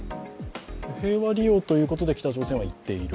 平和利用ということで北朝鮮はいっている。